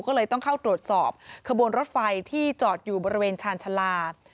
ก็เลยต้องเข้าตรวจสอบขบวนรถไฟที่จอดอยู่บริเวณชาญชาลา